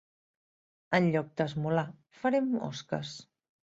En lloc d'esmolar farem osques.